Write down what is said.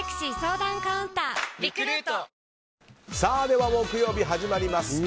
では木曜日始まります。